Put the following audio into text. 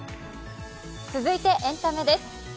続いてエンタメです。